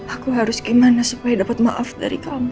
aku harus gimana supaya dapat maaf dari kamu